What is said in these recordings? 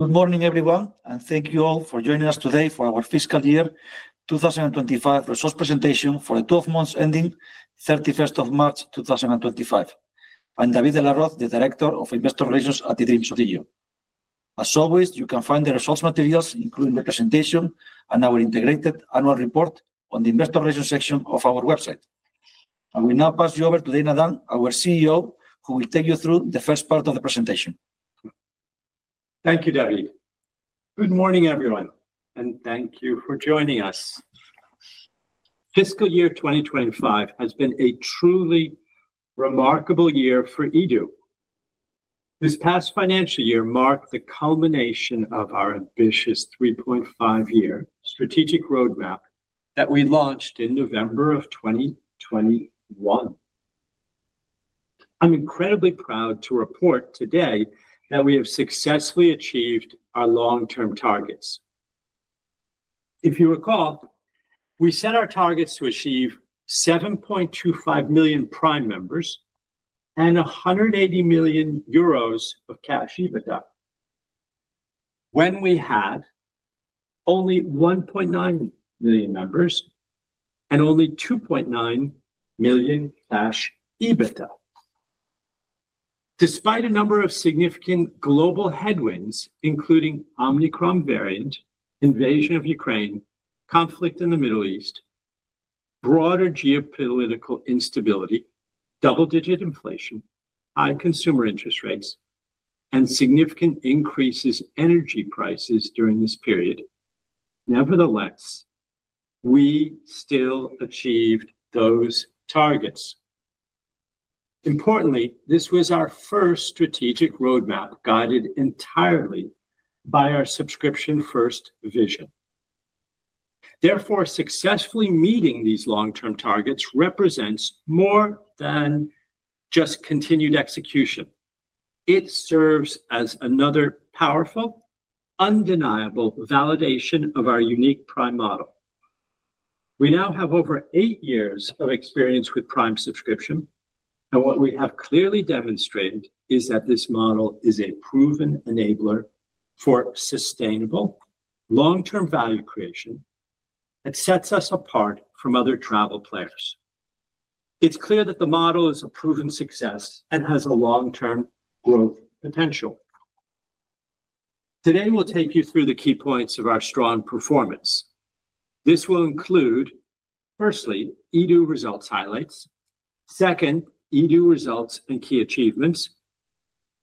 Good morning, everyone, and thank you all for joining us today for our fiscal year 2025 results presentation for the 12 months ending 31st March 2025. I'm David de la Roz, the Director of Investor Relations at eDreams ODIGEO. As always, you can find the results materials, including the presentation and our integrated annual report on the Investor Relations section of our website. I will now pass you over to Dana Dunne, our CEO, who will take you through the first part of the presentation. Thank you, David. Good morning, everyone, and thank you for joining us. Fiscal Year 2025 has been a truly remarkable year for eDO. This past financial year marked the culmination of our ambitious 3.5-year strategic roadmap that we launched in November of 2021. I'm incredibly proud to report today that we have successfully achieved our long-term targets. If you recall, we set our targets to achieve 7.25 million Prime members and 180 million euros of cash EBITDA, when we had only 1.9 million members and only 2.9 million cash EBITDA. Despite a number of significant global headwinds, including Omicron variant, invasion of Ukraine, conflict in the Middle East, broader geopolitical instability, double-digit inflation, high consumer interest rates, and significant increases in energy prices during this period, nevertheless, we still achieved those targets. Importantly, this was our first strategic roadmap guided entirely by our subscription-first vision. Therefore, successfully meeting these long-term targets represents more than just continued execution. It serves as another powerful, undeniable validation of our unique Prime model. We now have over eight years of experience with Prime subscription, and what we have clearly demonstrated is that this model is a proven enabler for sustainable, long-term value creation that sets us apart from other travel players. It's clear that the model is a proven success and has a long-term growth potential. Today, we'll take you through the key points of our strong performance. This will include, firstly, eDO results highlights. Second, eDO results and key achievements.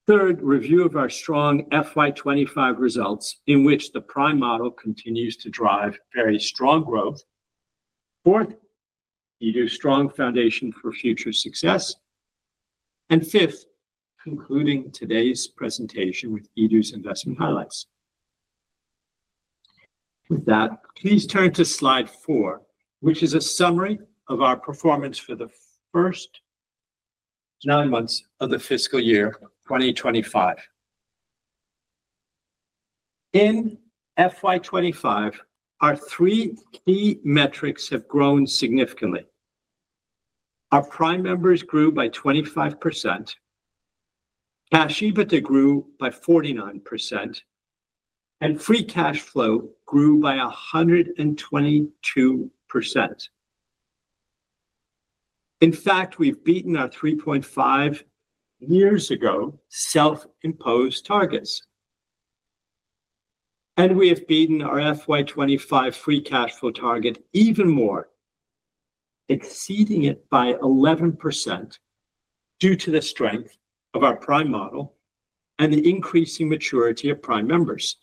Third, review of our strong FY25 results, in which the Prime model continues to drive very strong growth. Fourth, eDO's strong foundation for future success. Fifth, concluding today's presentation with eDO's investment highlights. With that, please turn to slide four, which is a summary of our performance for the first nine months of the fiscal year 2025. In FY25, our three key metrics have grown significantly. Our Prime members grew by 25%, cash EBITDA grew by 49%, and free cash flow grew by 122%. In fact, we've beaten our 3.5 years ago self-imposed targets. We have beaten our FY25 free cash flow target even more, exceeding it by 11% due to the strength of our Prime model and the increasing maturity of Prime members.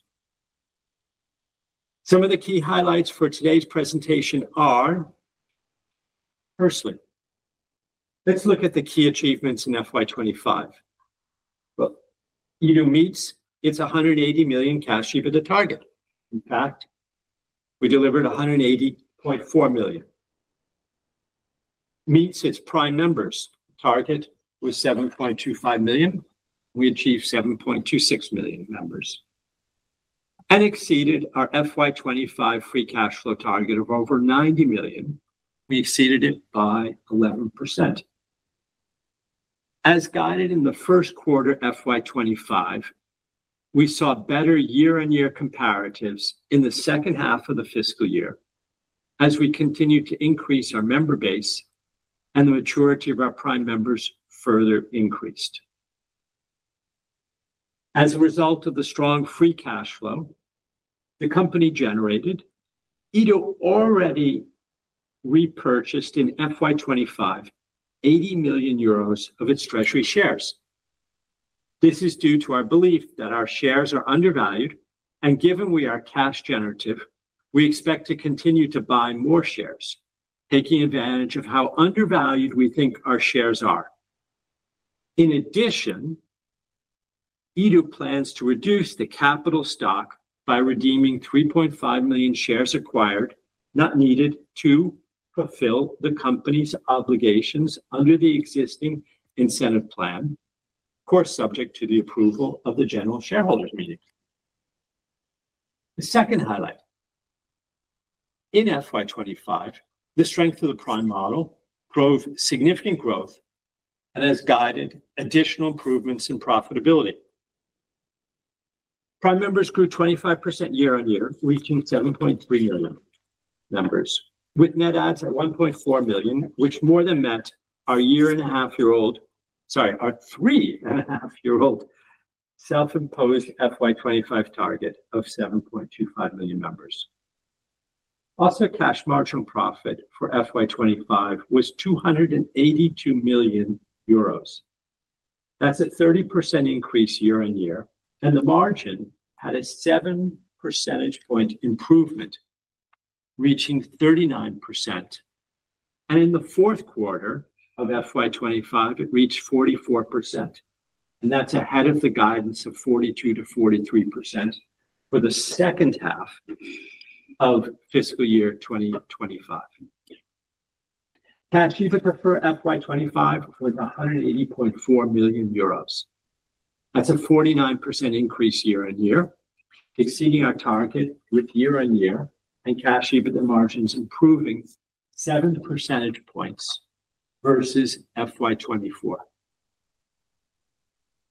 Some of the key highlights for today's presentation are, firstly, let's look at the key achievements in FY25. eDO meets its 180 million cash EBITDA target. In fact, we delivered 180.4 million. Meets its Prime members target with 7.25 million. We achieved 7.26 million members and exceeded our FY25 free cash flow target of over 90 million. We exceeded it by 11%. As guided in the first quarter FY25, we saw better year-on-year comparatives in the second half of the fiscal year as we continued to increase our member base, and the maturity of our Prime members further increased. As a result of the strong free cash flow the company generated, eDO already repurchased in FY25 80 million euros of its treasury shares. This is due to our belief that our shares are undervalued, and given we are cash generative, we expect to continue to buy more shares, taking advantage of how undervalued we think our shares are. In addition, eDO plans to reduce the capital stock by redeeming 3.5 million shares acquired, not needed to fulfill the company's obligations under the existing incentive plan, of course, subject to the approval of the general shareholders' meeting. The second highlight, in FY25, the strength of the Prime model drove significant growth and has guided additional improvements in profitability. Prime members grew 25% year-on-year, reaching 7.3 million members, with net adds at 1.4 million, which more than met our year-and-a-half-year-old, sorry, our three-and-a-half-year-old self-imposed FY25 target of 7.25 million members. Also, cash margin profit for FY25 was 282 million euros. That's a 30% increase year-on-year, and the margin had a 7 percentage point improvement, reaching 39%. In the fourth quarter of FY25, it reached 44%, and that's ahead of the guidance of 42%-43% for the second half of fiscal year 2025. Cash EBITDA for FY25 was 180.4 million euros. That's a 49% increase year-on-year, exceeding our target with year-on-year, and cash EBITDA margins improving 7 percentage points versus FY24.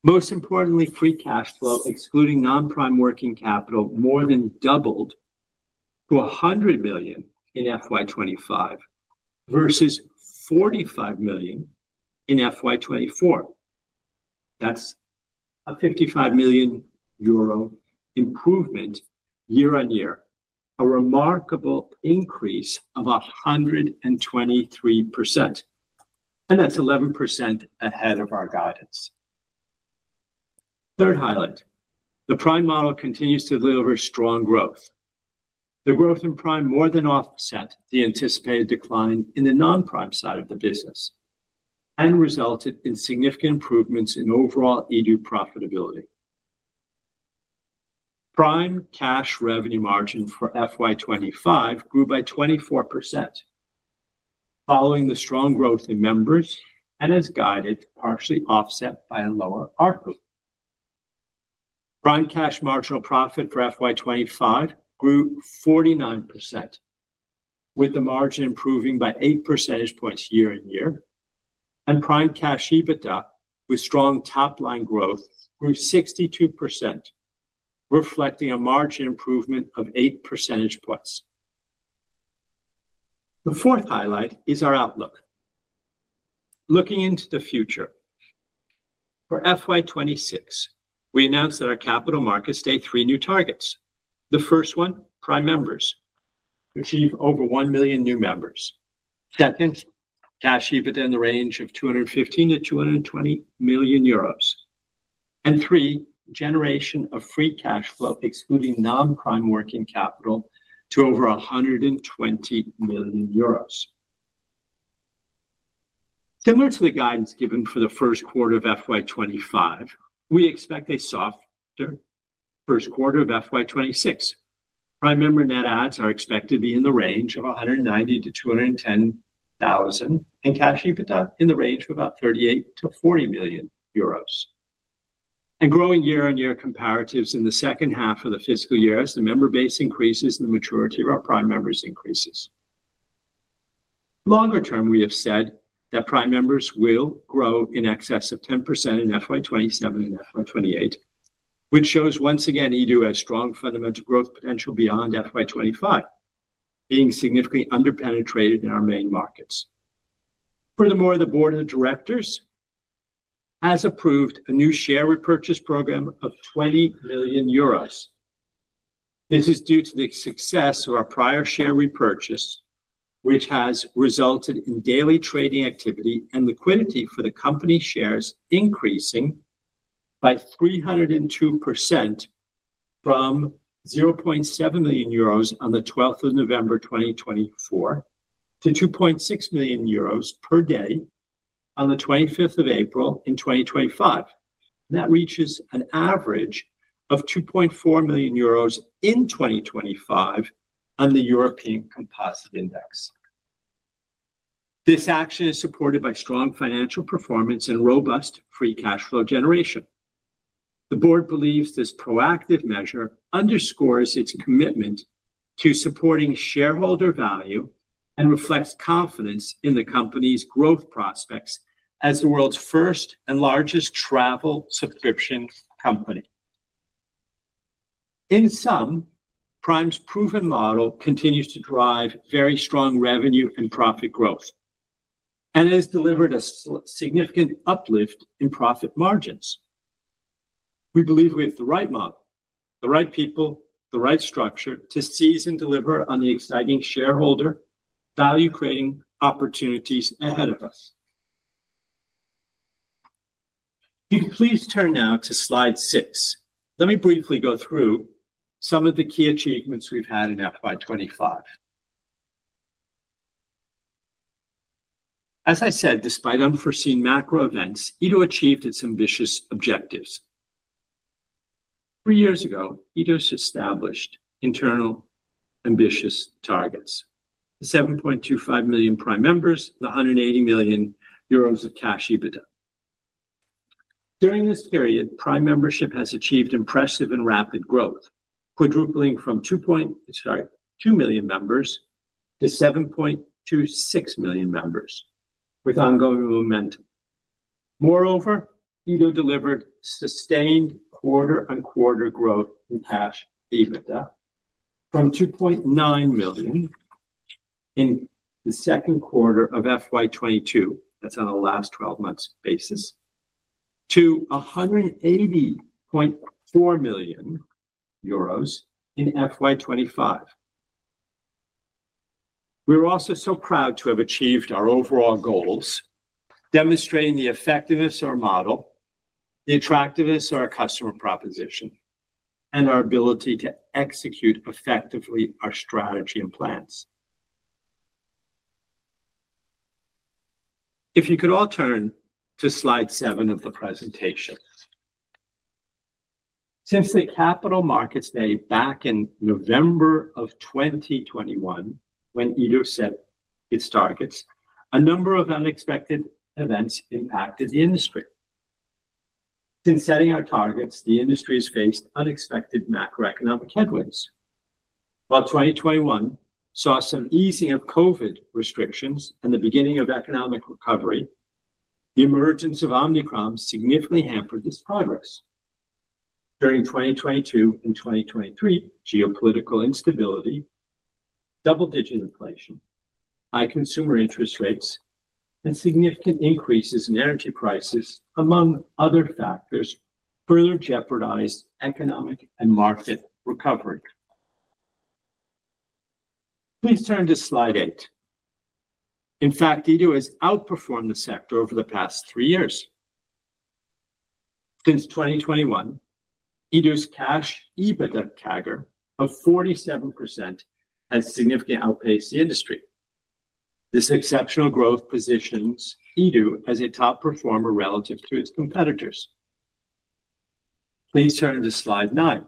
Most importantly, free cash flow, excluding non-Prime working capital, more than doubled to 100 million in FY2025 versus 45 million in FY2024. That is a EUR 55 million improvement year-on-year, a remarkable increase of 123%, and that is 11% ahead of our guidance. Third highlight, the Prime model continues to deliver strong growth. The growth in Prime more than offsets the anticipated decline in the non-Prime side of the business and resulted in significant improvements in overall eDO profitability. Prime cash revenue margin for FY2025 grew by 24%, following the strong growth in members and as guided, partially offset by a lower ARPU. Prime cash marginal profit for FY2025 grew 49%, with the margin improving by 8 percentage points year-on-year, and Prime cash EBITDA, with strong top-line growth, grew 62%, reflecting a margin improvement of 8 percentage points. The fourth highlight is our outlook. Looking into the future, for FY26, we announced at our capital markets day three new targets. The first one, Prime members, achieved over 1 million new members. Second, cash EBITDA in the range of 215 million-220 million euros. And three, generation of free cash flow, excluding non-Prime working capital, to over 120 million euros. Similar to the guidance given for the first quarter of FY25, we expect a softer first quarter of FY26. Prime member net adds are expected to be in the range of 190,000-210,000, and cash EBITDA in the range of about EUR 38 million-EUR 40 million. Growing year-on-year comparatives in the second half of the fiscal year as the member base increases and the maturity of our Prime members increases. Longer term, we have said that Prime members will grow in excess of 10% in FY2027 and FY2028, which shows, once again, eDreams ODIGEO has strong fundamental growth potential beyond FY2025, being significantly underpenetrated in our main markets. Furthermore, the Board of Directors has approved a new share repurchase program of 20 million euros. This is due to the success of our prior share repurchase, which has resulted in daily trading activity and liquidity for the company shares increasing by 302% from 0.7 million euros on the 12th of November 2024 to 2.6 million euros per day on the 25th of April in 2025. That reaches an average of 2.4 million euros in 2025 on the European Composite Index. This action is supported by strong financial performance and robust free cash flow generation. The Board believes this proactive measure underscores its commitment to supporting shareholder value and reflects confidence in the company's growth prospects as the world's first and largest travel subscription company. In sum, Prime's proven model continues to drive very strong revenue and profit growth and has delivered a significant uplift in profit margins. We believe we have the right model, the right people, the right structure to seize and deliver on the exciting shareholder value-creating opportunities ahead of us. If you could please turn now to slide six, let me briefly go through some of the key achievements we've had in FY25. As I said, despite unforeseen macro events, eDO achieved its ambitious objectives. Three years ago, eDO established internal ambitious targets: the 7.25 million Prime members, the 180 million euros of cash EBITDA. During this period, Prime membership has achieved impressive and rapid growth, quadrupling from 2 million members to 7.26 million members, with ongoing momentum. Moreover, eDO delivered sustained quarter-on-quarter growth in cash EBITDA from 2.9 million in the second quarter of FY2022, that's on the last 12 months' basis, to 180.4 million euros in FY2025. We're also so proud to have achieved our overall goals, demonstrating the effectiveness of our model, the attractiveness of our customer proposition, and our ability to execute effectively our strategy and plans. If you could all turn to slide seven of the presentation. Since the capital markets day back in November of 2021, when eDO set its targets, a number of unexpected events impacted the industry. Since setting our targets, the industry has faced unexpected macroeconomic headwinds. While 2021 saw some easing of COVID restrictions and the beginning of economic recovery, the emergence of Omicron significantly hampered this progress. During 2022 and 2023, geopolitical instability, double-digit inflation, high consumer interest rates, and significant increases in energy prices, among other factors, further jeopardized economic and market recovery. Please turn to slide eight. In fact, eDO has outperformed the sector over the past three years. Since 2021, eDO's cash EBITDA CAGR of 47% has significantly outpaced the industry. This exceptional growth positions eDO as a top performer relative to its competitors. Please turn to slide nine.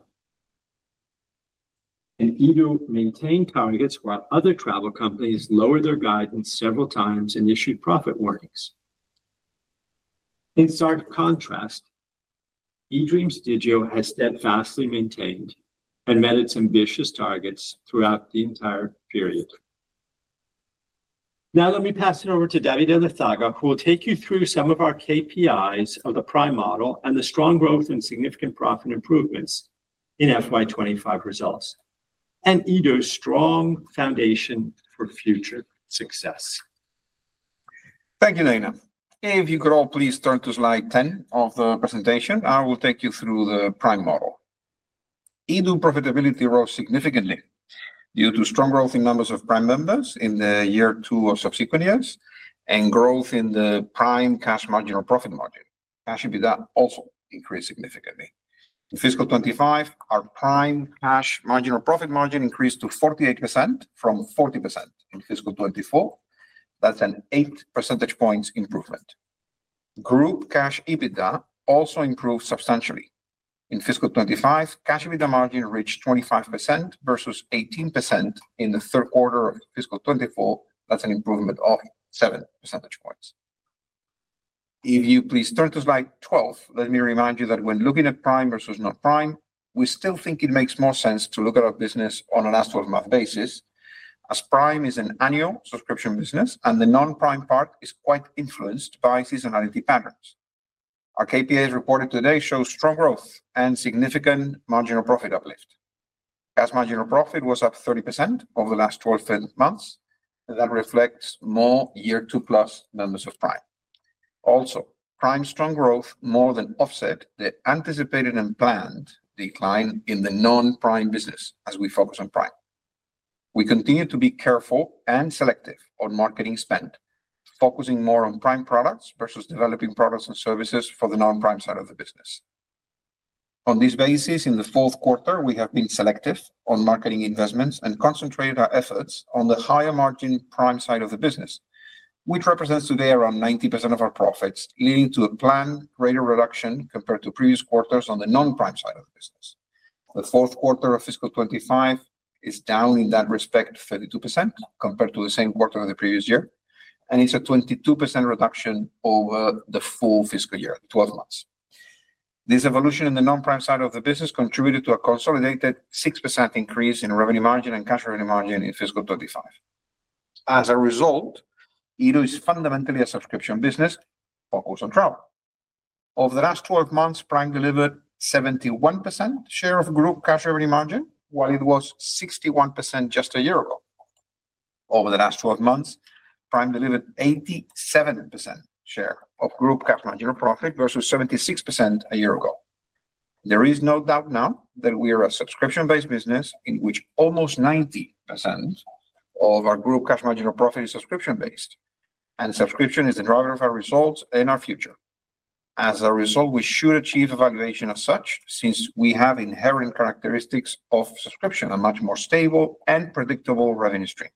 eDO maintained targets while other travel companies lowered their guidance several times and issued profit warnings. In stark contrast, eDreams ODIGEO has steadfastly maintained and met its ambitious targets throughout the entire period. Now, let me pass it over to David Elizaga, who will take you through some of our KPIs of the Prime model and the strong growth and significant profit improvements in FY2025 results, and eDO's strong foundation for future success. Thank you, Dana. If you could all please turn to slide 10 of the presentation, I will take you through the Prime model. eDO profitability rose significantly due to strong growth in numbers of Prime members in the year two or subsequent years and growth in the Prime cash marginal profit margin. Cash EBITDA also increased significantly. In fiscal 2025, our Prime cash marginal profit margin increased to 48% from 40%. In fiscal 2024, that's an 8 percentage points improvement. Group cash EBITDA also improved substantially. In fiscal 2025, cash EBITDA margin reached 25% versus 18% in the third quarter of fiscal 2024. That's an improvement of 7 percentage points. If you please turn to slide 12, let me remind you that when looking at Prime versus non-Prime, we still think it makes more sense to look at our business on an as-set-of-math basis, as Prime is an annual subscription business and the non-Prime part is quite influenced by seasonality patterns. Our KPIs reported today show strong growth and significant marginal profit uplift. Cash marginal profit was up 30% over the last 12 months, and that reflects more year-two-plus members of Prime. Also, Prime's strong growth more than offset the anticipated and planned decline in the non-Prime business as we focus on Prime. We continue to be careful and selective on marketing spend, focusing more on Prime products versus developing products and services for the non-Prime side of the business. On this basis, in the fourth quarter, we have been selective on marketing investments and concentrated our efforts on the higher-margin Prime side of the business, which represents today around 90% of our profits, leading to a planned greater reduction compared to previous quarters on the non-Prime side of the business. The fourth quarter of fiscal 2025 is down in that respect 32% compared to the same quarter of the previous year, and it's a 22% reduction over the full fiscal year, 12 months. This evolution in the non-Prime side of the business contributed to a consolidated 6% increase in revenue margin and cash revenue margin in fiscal 2025. As a result, eDO is fundamentally a subscription business focused on travel. Over the last 12 months, Prime delivered a 71% share of group cash revenue margin, while it was 61% just a year ago. Over the last 12 months, Prime delivered an 87% share of group cash margin profit versus 76% a year ago. There is no doubt now that we are a subscription-based business in which almost 90% of our group cash margin profit is subscription-based, and subscription is the driver of our results and our future. As a result, we should achieve a valuation as such since we have inherent characteristics of subscription, a much more stable and predictable revenue stream.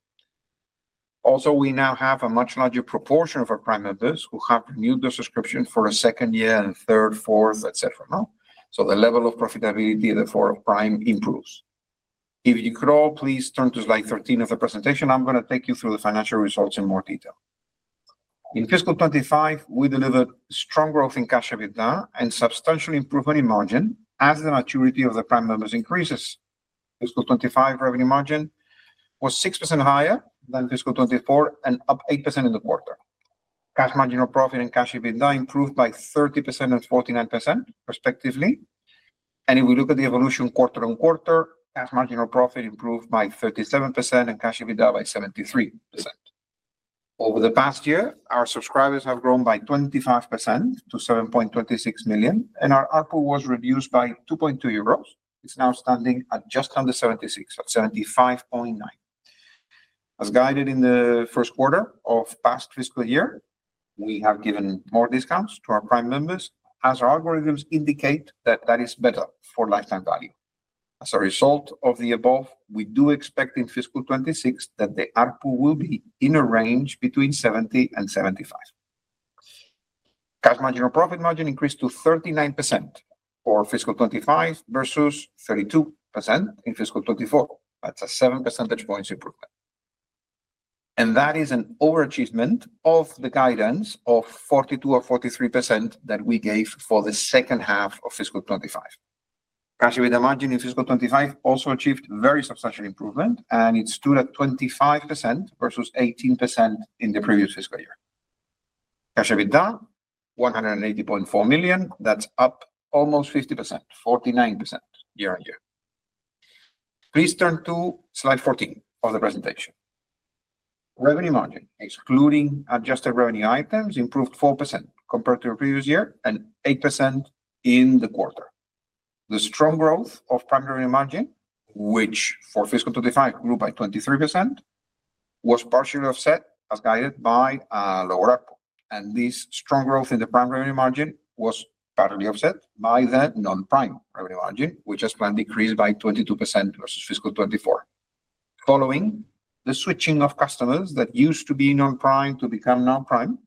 Also, we now have a much larger proportion of our Prime members who have renewed their subscription for a second year and third, fourth, et cetera. So the level of profitability therefore of Prime improves. If you could all please turn to slide 13 of the presentation, I'm going to take you through the financial results in more detail. In fiscal 2025, we delivered strong growth in cash EBITDA and substantial improvement in margin as the maturity of the Prime members increases. Fiscal 2025 revenue margin was 6% higher than fiscal 2024 and up 8% in the quarter. Cash marginal profit and cash EBITDA improved by 30% and 49%, respectively. If we look at the evolution quarter on quarter, cash marginal profit improved by 37% and cash EBITDA by 73%. Over the past year, our subscribers have grown by 25% to 7.26 million, and our ARPU was reduced by 2.2 euros. It is now standing at just under 76, at 75.9. As guided in the first quarter of past fiscal year, we have given more discounts to our Prime members as our algorithms indicate that that is better for lifetime value. As a result of the above, we do expect in fiscal 2026 that the ARPU will be in a range between 70 and 75. Cash marginal profit margin increased to 39% for fiscal 2025 versus 32% in fiscal 2024. That is a 7 percentage points improvement. That is an overachievement of the guidance of 42-43% that we gave for the second half of fiscal 2025. Cash EBITDA margin in fiscal 2025 also achieved very substantial improvement, and it stood at 25% versus 18% in the previous fiscal year. Cash EBITDA, 180.4 million, that is up almost 50%, 49% year-on-year. Please turn to slide 14 of the presentation. Revenue margin, excluding adjusted revenue items, improved 4% compared to the previous year and 8% in the quarter. The strong growth of Prime revenue margin, which for fiscal 2025 grew by 23%, was partially offset as guided by a lower ARPU. This strong growth in the Prime revenue margin was partly offset by the non-Prime revenue margin, which has planned decrease by 22% versus fiscal 2024, following the switching of customers that used to be non-Prime to become non-Prime,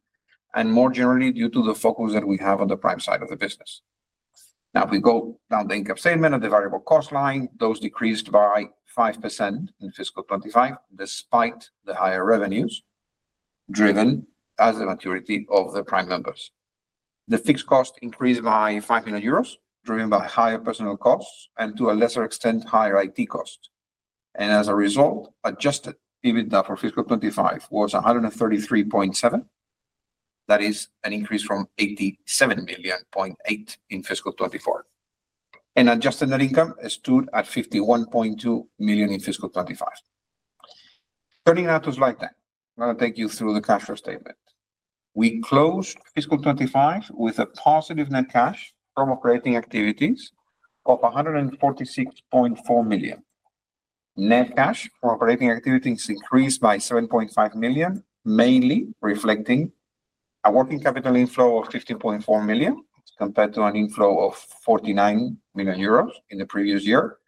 and more generally due to the focus that we have on the Prime side of the business. Now, if we go down the income statement and the variable cost line, those decreased by 5% in fiscal 2025 despite the higher revenues driven as the maturity of the Prime members. The fixed cost increased by 5 million euros, driven by higher personnel costs and to a lesser extent, higher IT costs. As a result, adjusted EBITDA for fiscal 2025 was 133.7 million. That is an increase from 87.8 million in fiscal 2024. Adjusted net income stood at 51.2 million in fiscal 2025. Turning now to slide 10, I'm going to take you through the cash flow statement. We closed fiscal 2025 with a positive net cash from operating activities of 146.4 million. Net cash from operating activities increased by 7.5 million, mainly reflecting a working capital inflow of 15.4 million compared to an inflow of 49 million euros in the previous year,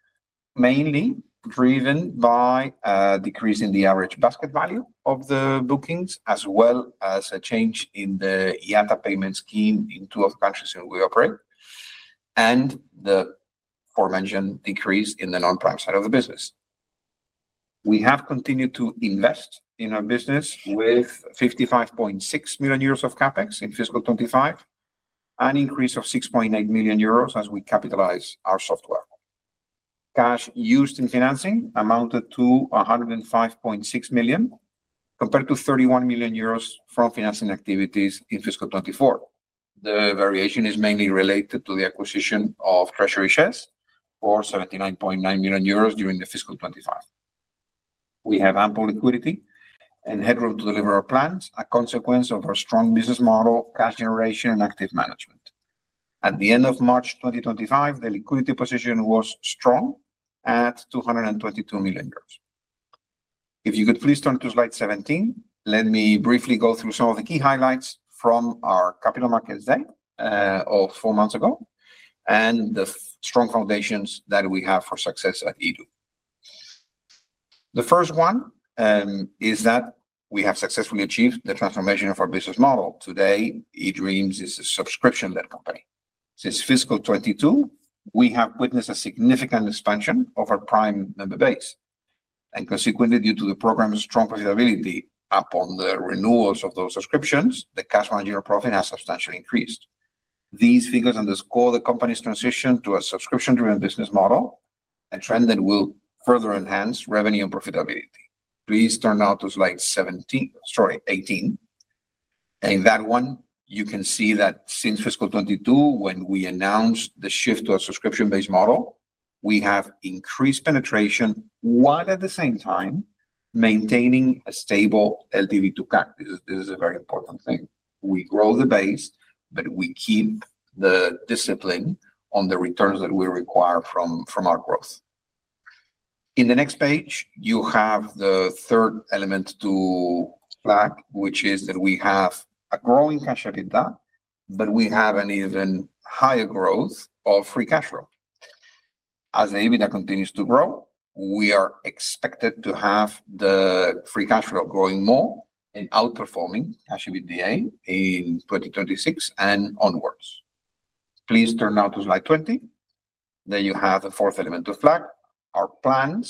mainly driven by a decrease in the average basket value of the bookings, as well as a change in the IATA payment scheme in two of the countries where we operate, and the aforementioned decrease in the non-Prime side of the business. We have continued to invest in our business with 55.6 million euros of CapEx in fiscal 2025, an increase of 6.8 million euros as we capitalize our software. Cash used in financing amounted to 105.6 million compared to 31 million euros from financing activities in fiscal 2024. The variation is mainly related to the acquisition of treasury shares for 79.9 million euros during fiscal 2025. We have ample liquidity and headroom to deliver our plans as a consequence of our strong business model, cash generation, and active management. At the end of March 2025, the liquidity position was strong at 222 million euros. If you could please turn to slide 17, let me briefly go through some of the key highlights from our capital markets day of four months ago and the strong foundations that we have for success at eDO. The first one is that we have successfully achieved the transformation of our business model. Today, eDreams is a subscription-led company. Since fiscal 2022, we have witnessed a significant expansion of our Prime member base. Consequently, due to the program's strong profitability upon the renewals of those subscriptions, the cash margin of profit has substantially increased. These figures underscore the company's transition to a subscription-driven business model and trend that will further enhance revenue and profitability. Please turn now to slide 17, sorry, 18. In that one, you can see that since fiscal 2022, when we announced the shift to a subscription-based model, we have increased penetration while at the same time maintaining a stable LTV to CAC. This is a very important thing. We grow the base, but we keep the discipline on the returns that we require from our growth. In the next page, you have the third element to flag, which is that we have a growing cash EBITDA, but we have an even higher growth of free cash flow. As the EBITDA continues to grow, we are expected to have the free cash flow growing more and outperforming cash EBITDA in 2026 and onwards. Please turn now to slide 20. There you have the fourth element to flag. Our plan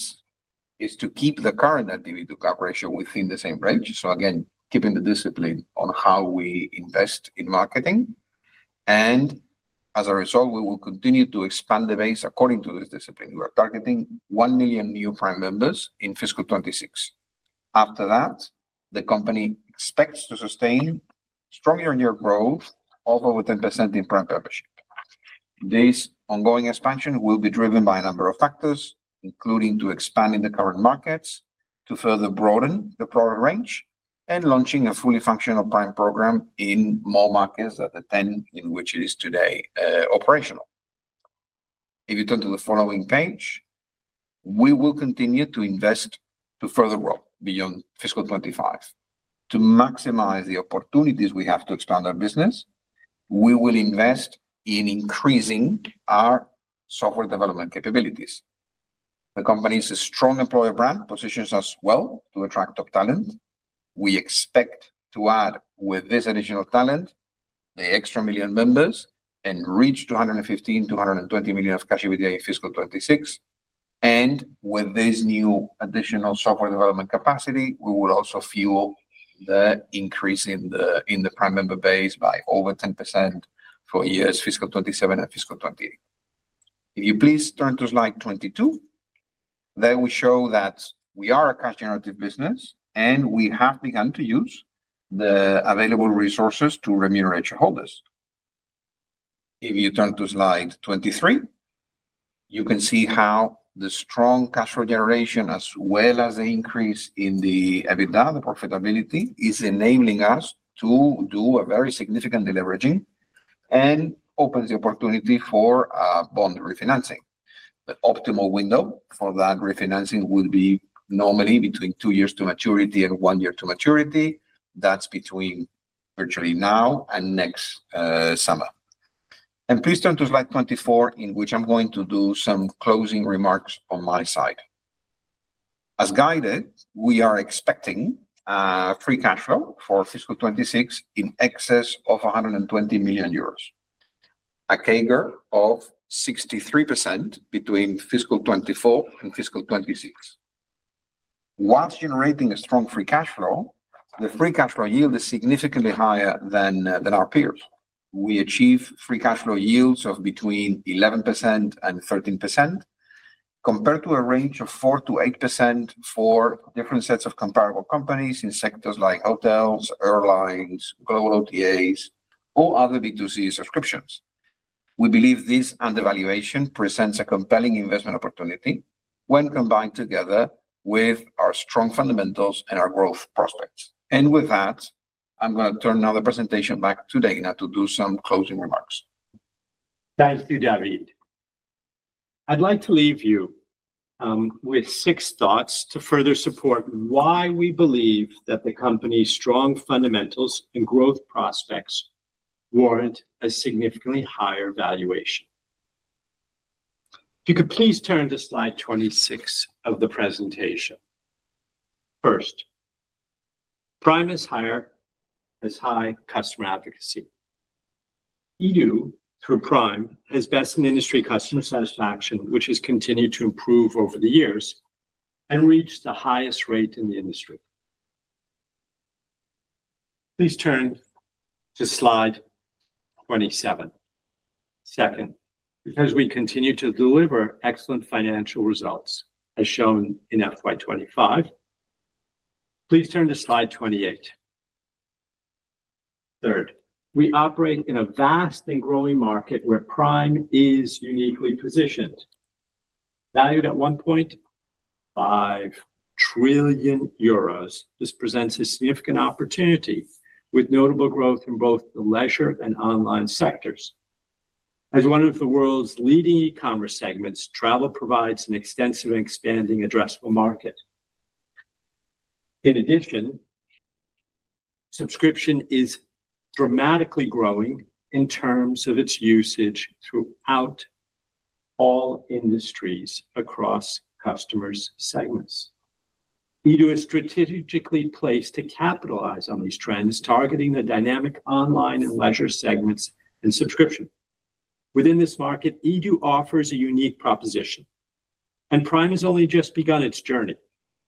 is to keep the current LTV to CAC ratio within the same range. Again, keeping the discipline on how we invest in marketing. As a result, we will continue to expand the base according to this discipline. We are targeting 1 million new Prime members in fiscal 2026. After that, the company expects to sustain strong year-on-year growth, although with 10% in Prime membership. This ongoing expansion will be driven by a number of factors, including expanding the current markets to further broaden the product range and launching a fully functional Prime program in more markets than the 10 in which it is today operational. If you turn to the following page, we will continue to invest to further grow beyond fiscal 2025. To maximize the opportunities we have to expand our business, we will invest in increasing our software development capabilities. The company's strong employer brand positions us well to attract top talent. We expect to add, with this additional talent, the extra million members and reach 215 million-220 million of cash EBITDA in fiscal 2026. With this new additional software development capacity, we will also fuel the increase in the Prime member base by over 10% for years fiscal 2027 and fiscal 2028. If you please turn to slide 22, there we show that we are a cash-generative business and we have begun to use the available resources to remunerate shareholders. If you turn to slide 23, you can see how the strong cash flow generation, as well as the increase in the EBITDA, the profitability, is enabling us to do a very significant deleveraging and opens the opportunity for bond refinancing. The optimal window for that refinancing would be normally between two years to maturity and one year to maturity. That is between virtually now and next summer. Please turn to slide 24, in which I am going to do some closing remarks on my side. As guided, we are expecting free cash flow for fiscal 2026 in excess of 120 million euros, a CAGR of 63% between fiscal 2024 and fiscal 2026. Whilst generating a strong free cash flow, the free cash flow yield is significantly higher than our peers. We achieve free cash flow yields of between 11% and 13% compared to a range of 4%-8% for different sets of comparable companies in sectors like hotels, airlines, global OTAs, or other B2C subscriptions. We believe this undervaluation presents a compelling investment opportunity when combined together with our strong fundamentals and our growth prospects. With that, I'm going to turn now the presentation back to Dana to do some closing remarks. Thank you, David. I'd like to leave you with six thoughts to further support why we believe that the company's strong fundamentals and growth prospects warrant a significantly higher valuation. If you could please turn to slide 26 of the presentation. First, Prime is higher as high customer advocacy. eDO, through Prime, has bested industry customer satisfaction, which has continued to improve over the years and reached the highest rate in the industry. Please turn to slide 27. Second, because we continue to deliver excellent financial results, as shown in FY2025, please turn to slide 28. Third, we operate in a vast and growing market where Prime is uniquely positioned. Valued at 1.5 trillion euros, this presents a significant opportunity with notable growth in both the leisure and online sectors. As one of the world's leading e-commerce segments, travel provides an extensive and expanding addressable market. In addition, subscription is dramatically growing in terms of its usage throughout all industries across customer segments. eDO is strategically placed to capitalize on these trends, targeting the dynamic online and leisure segments and subscription. Within this market, eDO offers a unique proposition. Prime has only just begun its journey.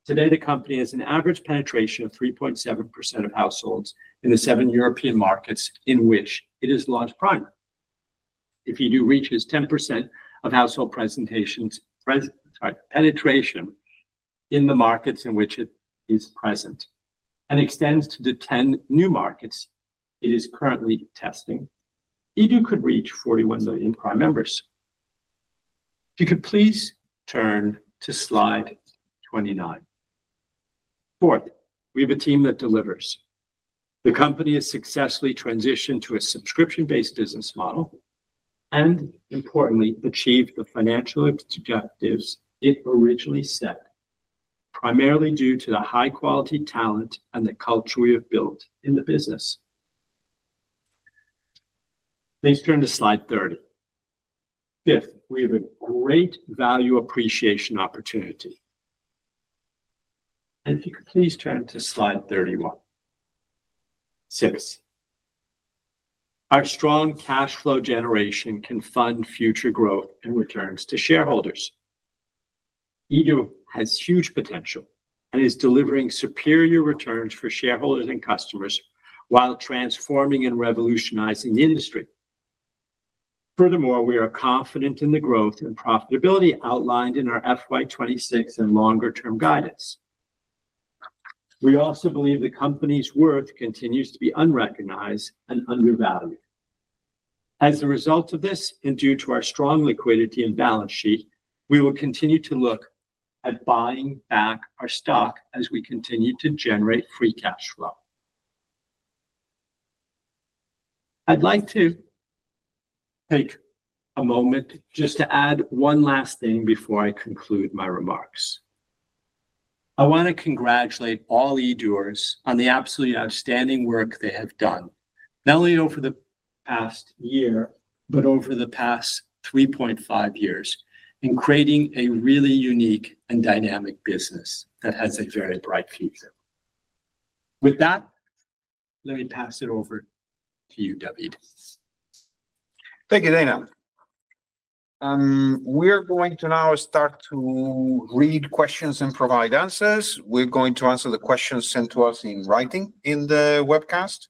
Today, the company has an average penetration of 3.7% of households in the seven European markets in which it has launched Prime. If eDO reaches 10% of household penetration in the markets in which it is present and extends to the 10 new markets it is currently testing, eDO could reach 41 million Prime members. If you could please turn to slide 29. Fourth, we have a team that delivers. The company has successfully transitioned to a subscription-based business model and, importantly, achieved the financial objectives it originally set, primarily due to the high-quality talent and the culture we have built in the business. Please turn to slide 30. Fifth, we have a great value appreciation opportunity. If you could please turn to slide 31. Sixth, our strong cash flow generation can fund future growth and returns to shareholders. eDO has huge potential and is delivering superior returns for shareholders and customers while transforming and revolutionizing the industry. Furthermore, we are confident in the growth and profitability outlined in our FY26 and longer-term guidance. We also believe the company's worth continues to be unrecognized and undervalued. As a result of this, and due to our strong liquidity and balance sheet, we will continue to look at buying back our stock as we continue to generate free cash flow. I'd like to take a moment just to add one last thing before I conclude my remarks. I want to congratulate all eDO-ers on the absolutely outstanding work they have done, not only over the past year, but over the past 3.5 years in creating a really unique and dynamic business that has a very bright future. With that, let me pass it over to you, David. Thank you, Dana. We're going to now start to read questions and provide answers. We're going to answer the questions sent to us in writing in the webcast.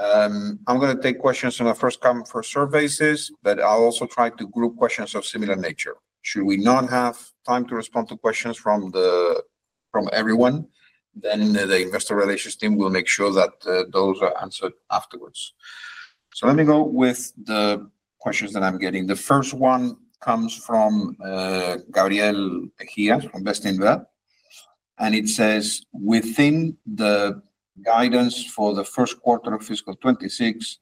I'm going to take questions in the first come, first services, but I'll also try to group questions of similar nature. Should we not have time to respond to questions from everyone, the investor relations team will make sure that those are answered afterwards. Let me go with the questions that I'm getting. The first one comes from Gabriel Megías from Bestinver. It says, "Within the guidance for the first quarter of fiscal 2026,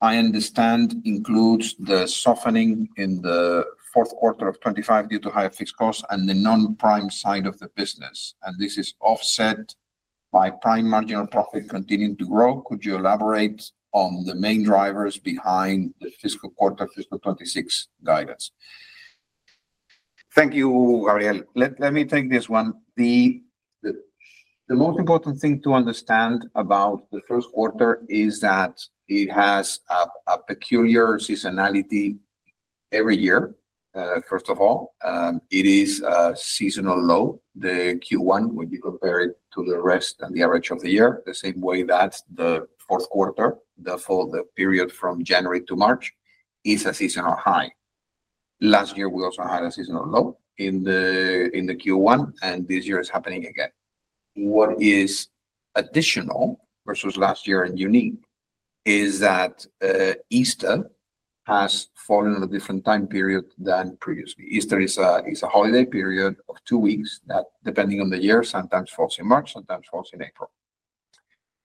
I understand includes the softening in the fourth quarter of 2025 due to higher fixed costs and the non-Prime side of the business. This is offset by Prime marginal profit continuing to grow. Could you elaborate on the main drivers behind the fiscal quarter of fiscal 2026 guidance? Thank you, Gabriel. Let me take this one. The most important thing to understand about the first quarter is that it has a peculiar seasonality every year. First of all, it is a seasonal low, the Q1, when you compare it to the rest and the average of the year, the same way that the fourth quarter, the full period from January to March, is a seasonal high. Last year, we also had a seasonal low in the Q1, and this year is happening again. What is additional versus last year and unique is that Easter has fallen at a different time period than previously. Easter is a holiday period of two weeks that, depending on the year, sometimes falls in March, sometimes falls in April.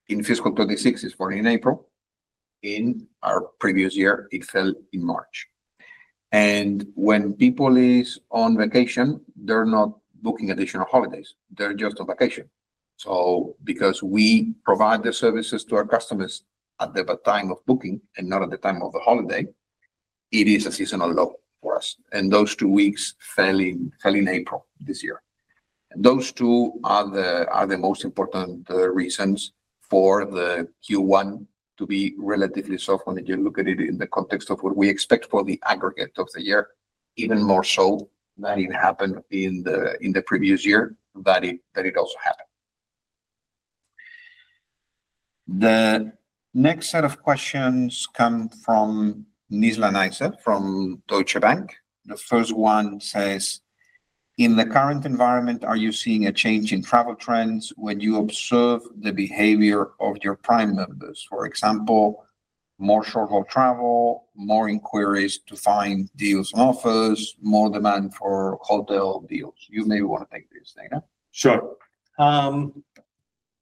In fiscal 2026, it is falling in April. In our previous year, it fell in March. When people are on vacation, they're not booking additional holidays. They're just on vacation. Because we provide the services to our customers at the time of booking and not at the time of the holiday, it is a seasonal low for us. Those two weeks fell in April this year. Those two are the most important reasons for the Q1 to be relatively soft when you look at it in the context of what we expect for the aggregate of the year, even more so than it happened in the previous year, that it also happened. The next set of questions come from Nizla Naizer from Deutsche Bank. The first one says, "In the current environment, are you seeing a change in travel trends when you observe the behavior of your Prime members? For example, more short-haul travel, more inquiries to find deals and offers, more demand for hotel deals. You may want to take this, Dana. Sure.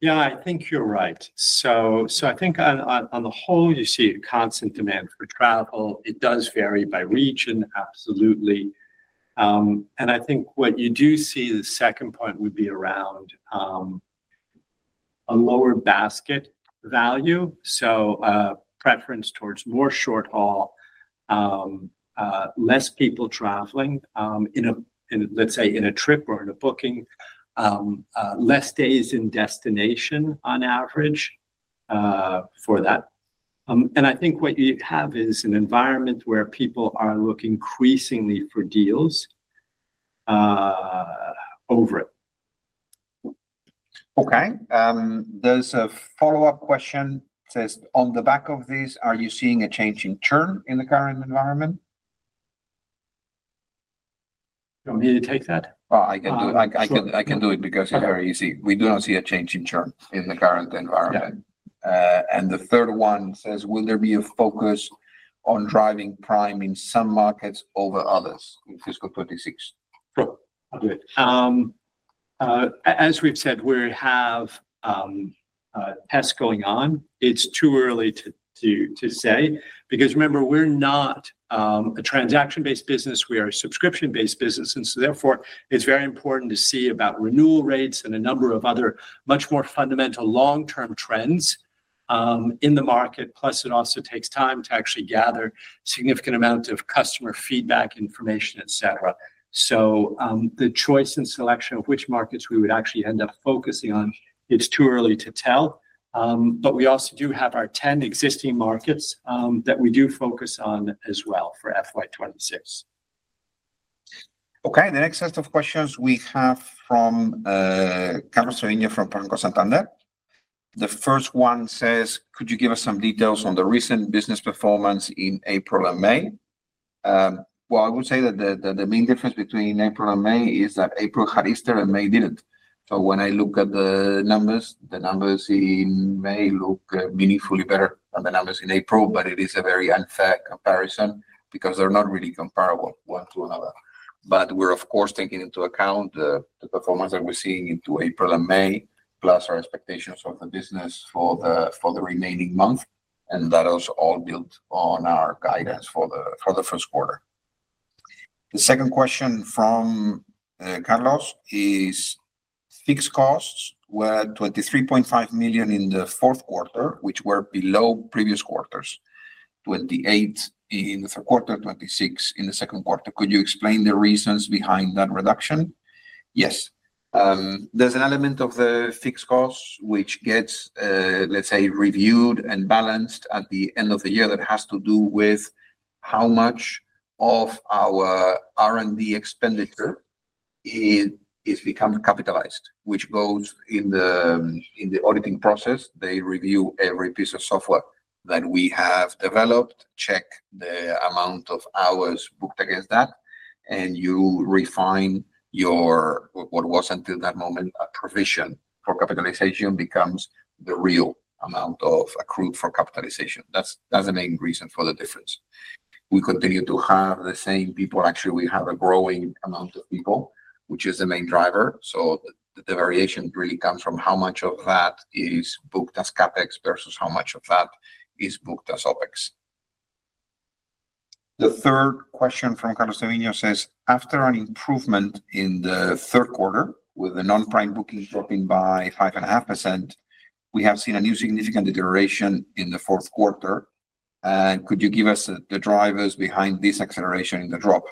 Yeah, I think you're right. I think on the whole, you see a constant demand for travel. It does vary by region, absolutely. I think what you do see, the second point would be around a lower basket value. A preference towards more short-haul, less people traveling, let's say in a trip or in a booking, less days in destination on average for that. I think what you have is an environment where people are looking increasingly for deals over it. Okay. There's a follow-up question. It says, "On the back of this, are you seeing a change in churn in the current environment?" Do you want me to take that? I can do it. I can do it because it's very easy. We do not see a change in churn in the current environment. The third one says, "Will there be a focus on driving Prime in some markets over others in fiscal 2026?" Sure. I'll do it. As we've said, we have tests going on. It's too early to say because, remember, we're not a transaction-based business. We are a subscription-based business. Therefore, it's very important to see about renewal rates and a number of other much more fundamental long-term trends in the market. Plus, it also takes time to actually gather a significant amount of customer feedback, information, etc. The choice and selection of which markets we would actually end up focusing on, it's too early to tell. We also do have our 10 existing markets that we do focus on as well for FY2026. Okay. The next set of questions we have from Carlos Treviño from Banco Santander. The first one says, "Could you give us some details on the recent business performance in April and May?" I would say that the main difference between April and May is that April had Easter and May did not. When I look at the numbers, the numbers in May look meaningfully better than the numbers in April, but it is a very unfair comparison because they are not really comparable one to another. We are, of course, taking into account the performance that we are seeing into April and May, plus our expectations of the business for the remaining month. That is all built on our guidance for the first quarter. The second question from Carlos is, "Fixed costs were 23.5 million in the fourth quarter, which were below previous quarters, 28 million in the third quarter, 26 million in the second quarter. Could you explain the reasons behind that reduction?" Yes. There is an element of the fixed costs which gets, let's say, reviewed and balanced at the end of the year that has to do with how much of our R&D expenditure has become capitalized, which goes in the auditing process. They review every piece of software that we have developed, check the amount of hours booked against that, and you refine what was until that moment a provision for capitalization becomes the real amount accrued for capitalization. That is the main reason for the difference. We continue to have the same people. Actually, we have a growing amount of people, which is the main driver. The variation really comes from how much of that is booked as CapEx versus how much of that is booked as OpEx. The third question from Carlos Treviño says, "After an improvement in the third quarter with the non-Prime bookings dropping by 5.5%, we have seen a new significant deterioration in the fourth quarter. Could you give us the drivers behind this acceleration in the drop?"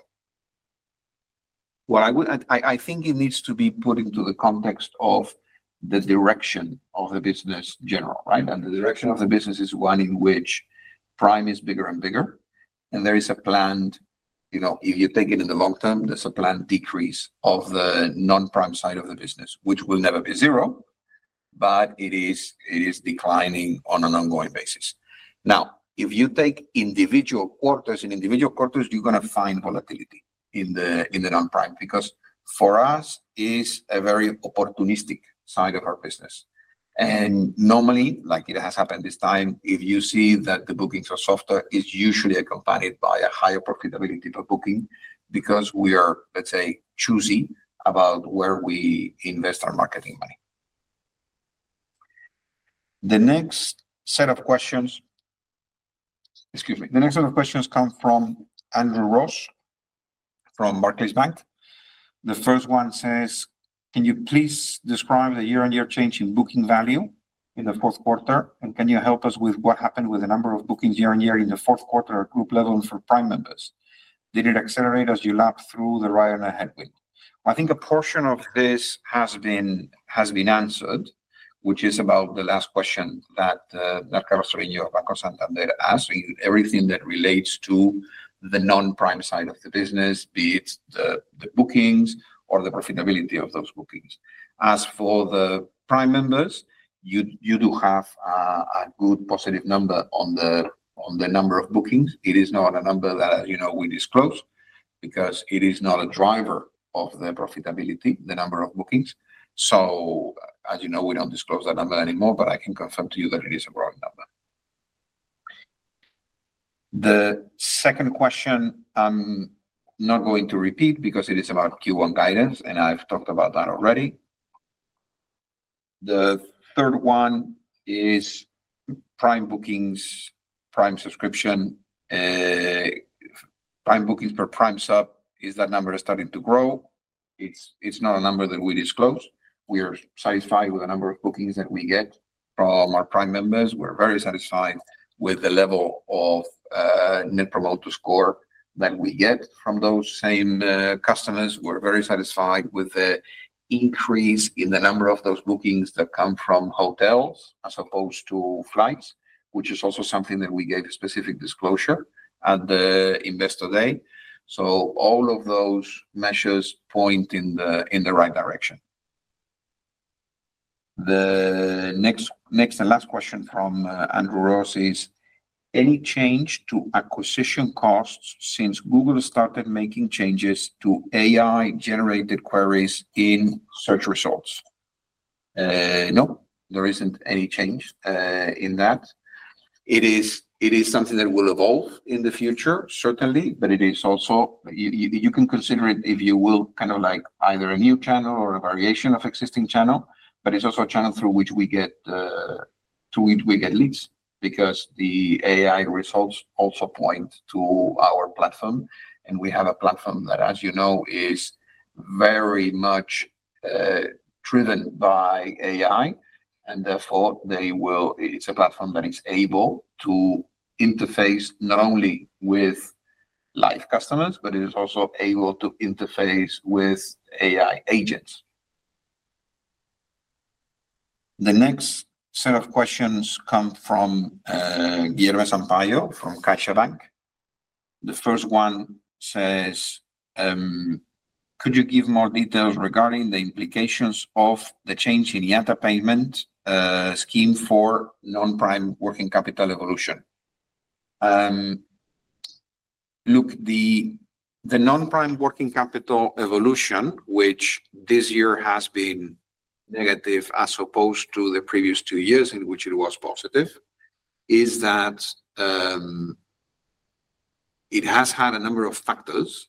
I think it needs to be put into the context of the direction of the business, general, right? The direction of the business is one in which Prime is bigger and bigger. There is a planned—if you take it in the long term, there is a planned decrease of the non-Prime side of the business, which will never be zero, but it is declining on an ongoing basis. Now, if you take individual quarters, in individual quarters, you're going to find volatility in the non-Prime because, for us, it is a very opportunistic side of our business. Normally, like it has happened this time, if you see that the bookings are softer, it's usually accompanied by a higher profitability per booking because we are, let's say, choosy about where we invest our marketing money. The next set of questions—excuse me. The next set of questions come from Andrew Ross from Barclays Bank. The first one says, "Can you please describe the year-on-year change in booking value in the fourth quarter? And can you help us with what happened with the number of bookings year-on-year in the fourth quarter at group level for Prime members? Did it accelerate as you lapped through the Ryanair headwind? I think a portion of this has been answered, which is about the last question that Carlos Treviño of Banco Santander asked, everything that relates to the non-Prime side of the business, be it the bookings or the profitability of those bookings. As for the Prime members, you do have a good positive number on the number of bookings. It is not a number that, as you know, we disclose because it is not a driver of the profitability, the number of bookings. As you know, we do not disclose that number anymore, but I can confirm to you that it is a growing number. The second question, I am not going to repeat because it is about Q1 guidance, and I have talked about that already. The third one is Prime bookings, Prime subscription, Prime bookings per Prime sub. Is that number starting to grow? It's not a number that we disclose. We are satisfied with the number of bookings that we get from our Prime members. We're very satisfied with the level of net promoter score that we get from those same customers. We're very satisfied with the increase in the number of those bookings that come from hotels as opposed to flights, which is also something that we gave a specific disclosure at the Investor Day. All of those measures point in the right direction. The next and last question from Andrew Ross is, "Any change to acquisition costs since Google started making changes to AI-generated queries in search results?" No, there isn't any change in that. It is something that will evolve in the future, certainly, but it is also—you can consider it, if you will, kind of like either a new channel or a variation of existing channel, but it is also a channel through which we get—to which we get leads because the AI results also point to our platform. We have a platform that, as you know, is very much driven by AI. Therefore, it is a platform that is able to interface not only with live customers, but it is also able to interface with AI agents. The next set of questions come from Guilherme Sampaio from CaixaBank. The first one says, "Could you give more details regarding the implications of the change in IATA payment scheme for non-Prime working capital evolution?" Look, the non-Prime working capital evolution, which this year has been negative as opposed to the previous two years in which it was positive, is that it has had a number of factors.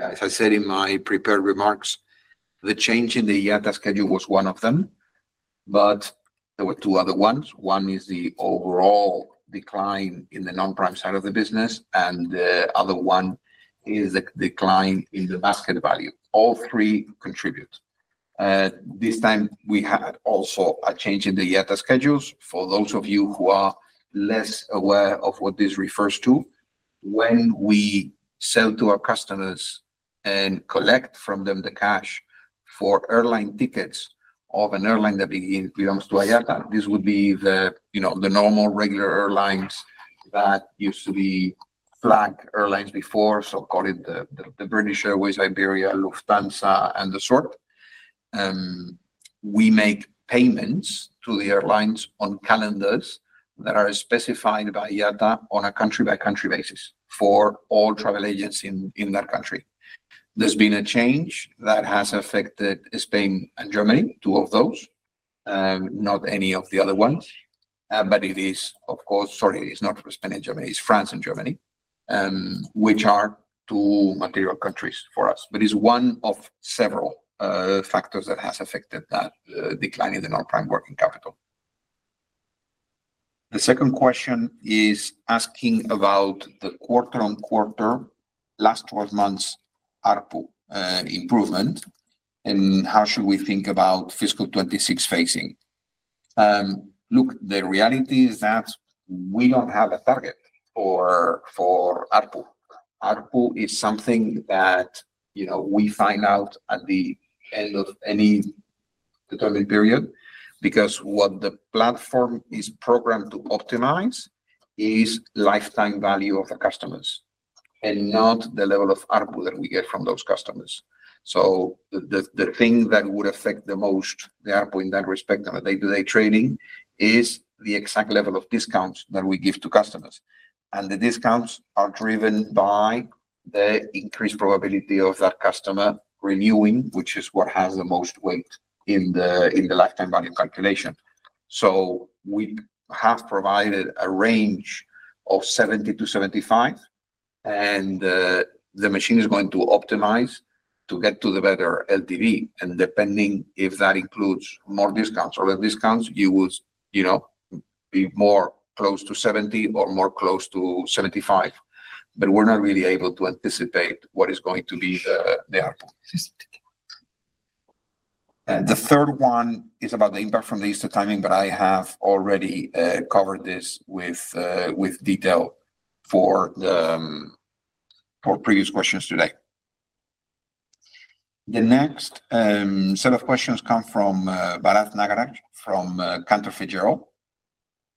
As I said in my prepared remarks, the change in the IATA schedule was one of them, but there were two other ones. One is the overall decline in the non-Prime side of the business, and the other one is the decline in the basket value. All three contribute. This time, we had also a change in the IATA schedules. For those of you who are less aware of what this refers to, when we sell to our customers and collect from them the cash for airline tickets of an airline that belongs to IATA, this would be the normal regular airlines that used to be flagged airlines before, so call it the British Airways, Iberia, Lufthansa, and the sort. We make payments to the airlines on calendars that are specified by IATA on a country-by-country basis for all travel agents in that country. There has been a change that has affected Spain and Germany, two of those, not any of the other ones. It is, of course—sorry, it is not Spain and Germany. It is France and Germany, which are two material countries for us. It is one of several factors that has affected that decline in the non-Prime working capital. The second question is asking about the quarter-on-quarter last 12 months ARPU improvement and how should we think about fiscal 2026 phasing. Look, the reality is that we don't have a target for ARPU. ARPU is something that we find out at the end of any determined period because what the platform is programmed to optimize is lifetime value of the customers and not the level of ARPU that we get from those customers. The thing that would affect the most the ARPU in that respect on a day-to-day trading is the exact level of discounts that we give to customers. The discounts are driven by the increased probability of that customer renewing, which is what has the most weight in the lifetime value calculation. We have provided a range of 70-75, and the machine is going to optimize to get to the better LTV. Depending if that includes more discounts or less discounts, you would be more close to 70 or more close to 75. We are not really able to anticipate what is going to be the ARPU. The third one is about the impact from the Easter timing, but I have already covered this with detail for previous questions today. The next set of questions come from Bharath Nagaraj from Cantor Fitzgerald.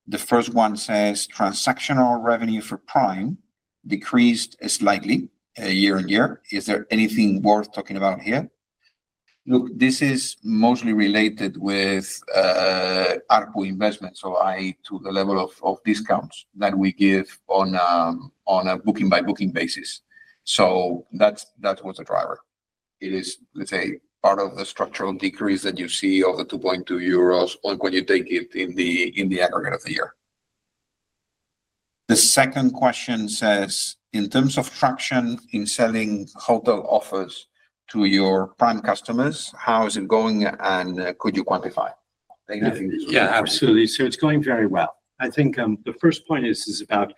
The first one says, "Transactional revenue for Prime decreased slightly year-on-year. Is there anything worth talking about here?" Look, this is mostly related with ARPU investments, so to the level of discounts that we give on a booking-by-booking basis. That was the driver. It is, let's say, part of the structural decrease that you see of the 2.2 euros when you take it in the aggregate of the year. The second question says, "In terms of traction in selling hotel offers to your Prime customers, how is it going, and could you quantify?" Yeah, absolutely. It is going very well. I think the first point is about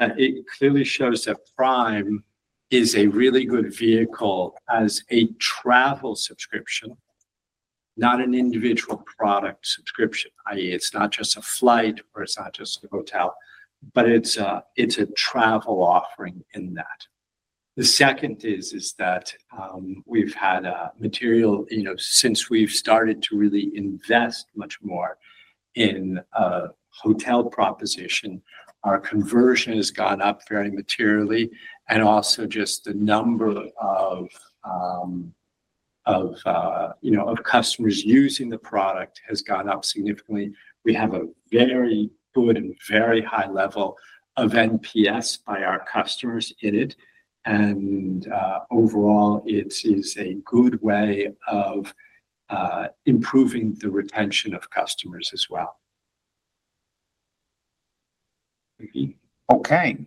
it clearly shows that Prime is a really good vehicle as a travel subscription, not an individual product subscription. It is not just a flight, or it is not just a hotel, but it is a travel offering in that. The second is that we have had a material, since we have started to really invest much more in hotel proposition, our conversion has gone up very materially. Also, just the number of customers using the product has gone up significantly. We have a very good and very high level of NPS by our customers in it. Overall, it is a good way of improving the retention of customers as well. Okay.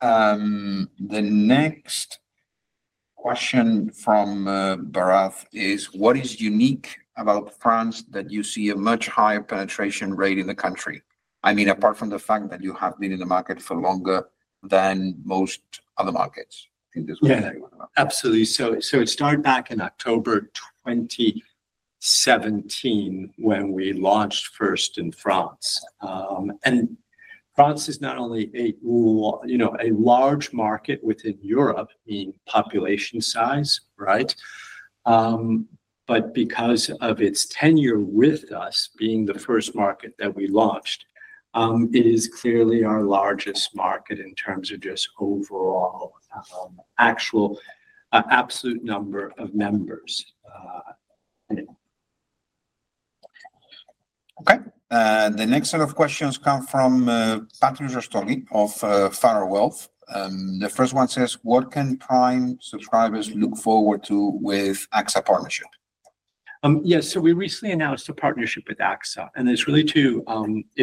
The next question from Bharath is, "What is unique about France that you see a much higher penetration rate in the country? I mean, apart from the fact that you have been in the market for longer than most other markets." I think this was what everyone asked. Absolutely. It started back in October 2017 when we launched first in France. France is not only a large market within Europe in population size, right? But because of its tenure with us being the first market that we launched, it is clearly our largest market in terms of just overall actual absolute number of members. Okay. The next set of questions come from Pratyush Rastogi of Farrer Wealth. The first one says, "What can Prime subscribers look forward to with AXA Partnership?" Yes. We recently announced a partnership with AXA, and it is really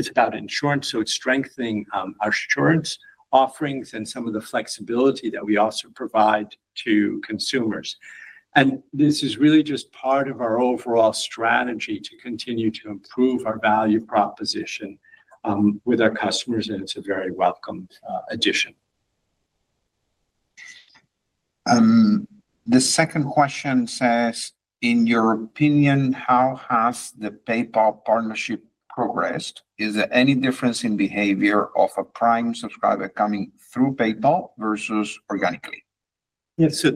about insurance, so it is strengthening our insurance offerings and some of the flexibility that we also provide to consumers. This is really just part of our overall strategy to continue to improve our value proposition with our customers, and it is a very welcome addition. The second question says, "In your opinion, how has the PayPal partnership progressed? Is there any difference in behavior of a Prime subscriber coming through PayPal versus organically?" Yes. We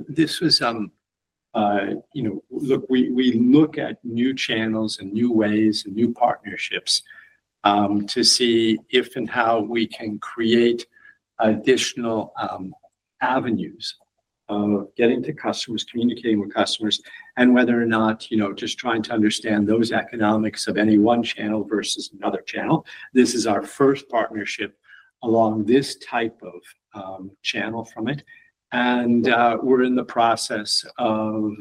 look at new channels and new ways and new partnerships to see if and how we can create additional avenues of getting to customers, communicating with customers, and whether or not just trying to understand those economics of any one channel versus another channel. This is our first partnership along this type of channel from it. We're in the process of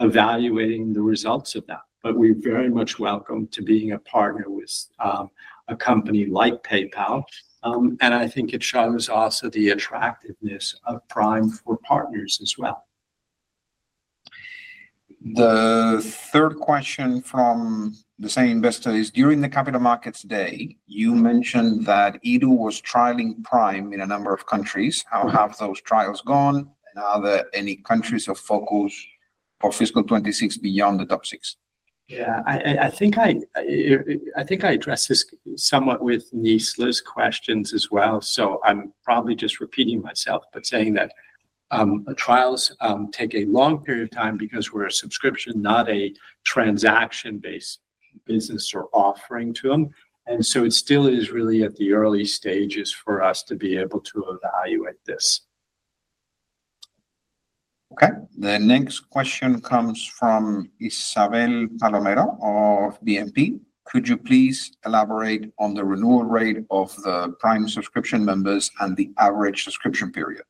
evaluating the results of that. We are very much welcome to being a partner with a company like PayPal. I think it shows also the attractiveness of Prime for partners as well. The third question from the same investor is, "During the Capital Markets Day, you mentioned that eDO was trialing Prime in a number of countries. How have those trials gone? Are there any countries of focus for fiscal 2026 beyond the top six?" I think I addressed this somewhat with Nizla's questions as well. I'm probably just repeating myself, but trials take a long period of time because we're a subscription, not a transaction-based business or offering to them. It still is really at the early stages for us to be able to evaluate this. Okay. The next question comes from Isabel Palomero of BNP. "Could you please elaborate on the renewal rate of the Prime subscription members and the average subscription period?"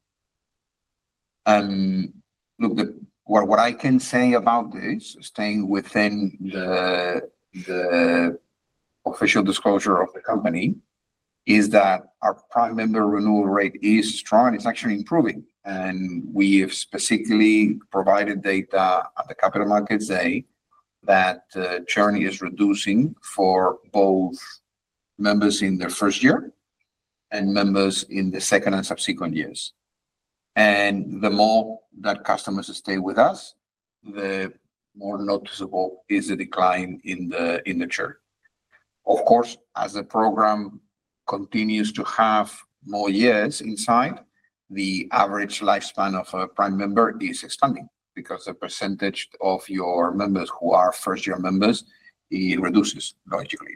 Look, what I can say about this, staying within the official disclosure of the company, is that our Prime member renewal rate is strong, and it is actually improving. We have specifically provided data at the Capital Markets Day that the journey is reducing for both members in the first year and members in the second and subsequent years. The more that customers stay with us, the more noticeable is the decline in the journey. Of course, as the program continues to have more years inside, the average lifespan of a Prime member is expanding because the percentage of your members who are first-year members, it reduces logically.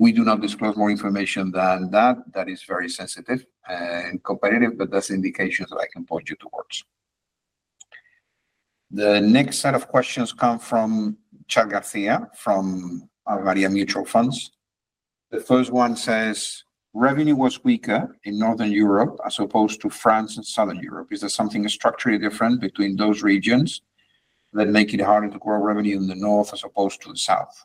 We do not disclose more information than that. That is very sensitive and competitive, but that's the indications that I can point you towards. The next set of questions come from Chadd Garcia from Ave Maria Mutual Funds. The first one says, "Revenue was weaker in Northern Europe as opposed to France and Southern Europe. Is there something structurally different between those regions that make it harder to grow revenue in the north as opposed to the south?"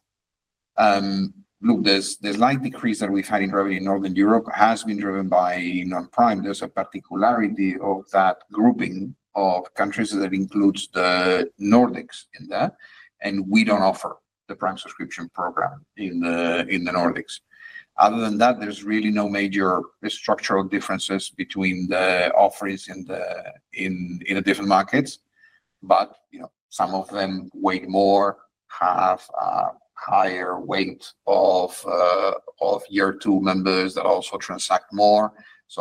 Look, the slight decrease that we've had in revenue in Northern Europe has been driven by non-Prime. There's a particularity of that grouping of countries that includes the Nordics in that, and we don't offer the Prime subscription program in the Nordics. Other than that, there's really no major structural differences between the offerings in the different markets. Some of them weigh more, have a higher weight of year-two members that also transact more.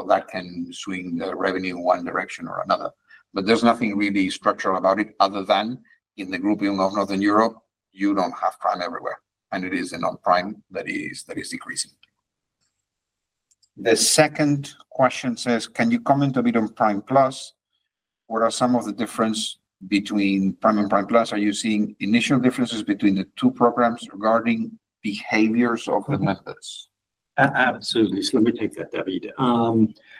That can swing the revenue in one direction or another. There is nothing really structural about it other than in the grouping of Northern Europe, you do not have Prime everywhere. It is a non-Prime that is decreasing. The second question says, "Can you comment a bit on Prime Plus? What are some of the differences between Prime and Prime Plus? Are you seeing initial differences between the two programs regarding behaviors of the methods?" Absolutely. Let me take that, David.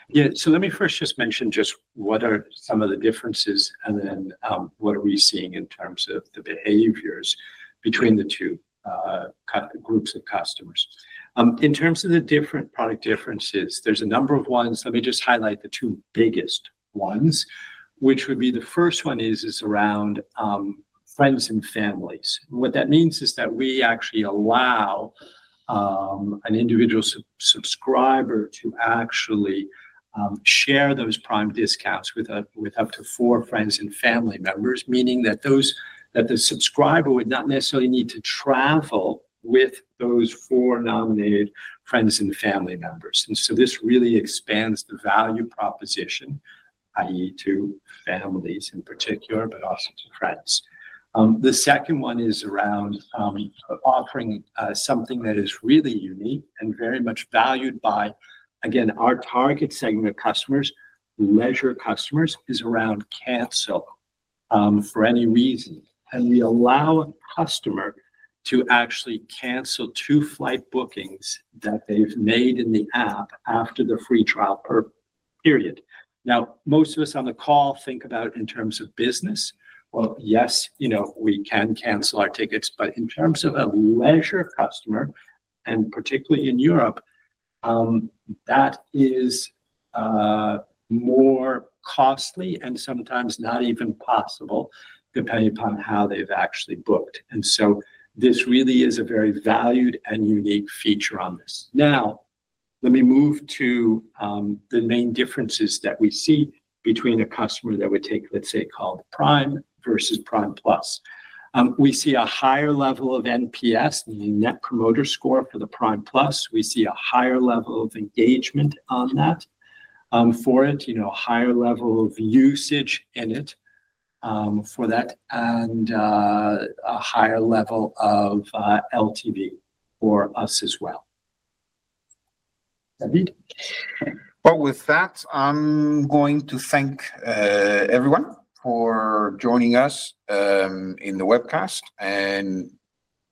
Yeah. Let me first just mention what are some of the differences and then what are we seeing in terms of the behaviors between the two groups of customers. In terms of the different product differences, there are a number of ones. Let me just highlight the two biggest ones, which would be the first one is around friends and families. What that means is that we actually allow an individual subscriber to actually share those Prime discounts with up to four friends and family members, meaning that the subscriber would not necessarily need to travel with those four nominated friends and family members. This really expands the value proposition, i.e., to families in particular, but also to friends. The second one is around offering something that is really unique and very much valued by, again, our target segment of customers, leisure customers, is around cancel for any reason. We allow a customer to actually cancel two flight bookings that they've made in the app after the free trial period. Most of us on the call think about it in terms of business. Yes, we can cancel our tickets. In terms of a leisure customer, and particularly in Europe, that is more costly and sometimes not even possible depending upon how they've actually booked. This really is a very valued and unique feature on this. Now, let me move to the main differences that we see between a customer that would take, let's say, called Prime versus Prime Plus. We see a higher level of NPS, the net promoter score for the Prime Plus. We see a higher level of engagement on that for it, a higher level of usage in it for that, and a higher level of LTV for us as well. David? With that, I'm going to thank everyone for joining us in the webcast.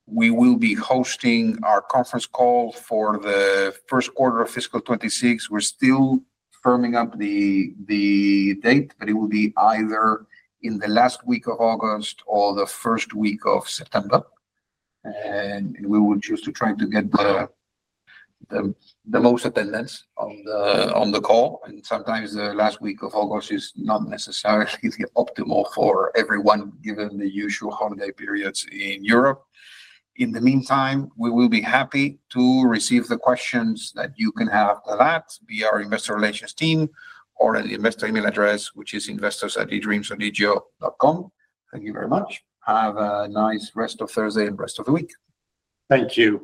We will be hosting our conference call for the first quarter of fiscal 2026. We're still firming up the date, but it will be either in the last week of August or the first week of September. We will choose to try to get the most attendance on the call. Sometimes the last week of August is not necessarily optimal for everyone given the usual holiday periods in Europe. In the meantime, we will be happy to receive the questions that you can have to that via our investor relations team or at the investor email address, which is investors@edreamsodigeo.com. Thank you very much. Have a nice rest of Thursday and rest of the week. Thank you.